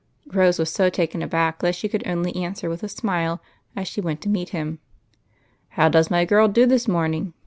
" Rose was so taken aback, she could only answer with a smile as she went to meet him. " How does my girl do this morning